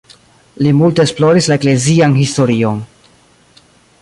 Li multe esploris la eklezian historion.